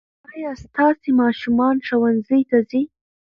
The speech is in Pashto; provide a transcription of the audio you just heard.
ايا ستاسې ماشومان ښوونځي ته ځي؟